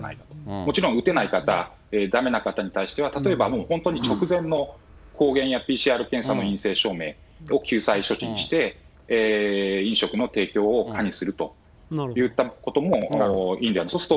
もちろん打てない方、だめな方に対しては、例えば、本当に直前の抗原やＰＣＲ検査の陰性証明を救済措置にして、飲食の提供を可にするといったこともいいんじゃないかと。